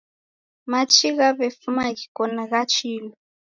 Machi ghaw'efuma ghiko gha chilu